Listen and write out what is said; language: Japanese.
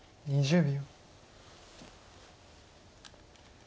２０秒。